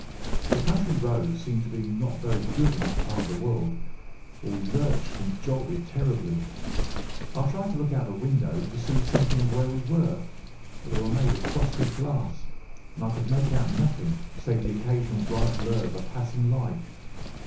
The country roads seem to be not very good in that part of the world, for we lurched and jolted terribly. I tried to look out of the windows to see something of where we were, but they were made of frosted glass, and I could make out nothing save the occasional bright blur of a passing light.